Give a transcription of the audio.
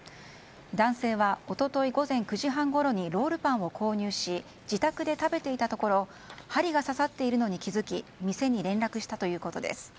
男性は一昨日午前９時半ごろにロールパンを購入し自宅で食べていたところ針が刺さっているのに気付き店に連絡したということです。